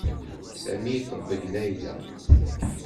Sami iṭebbeg Layla.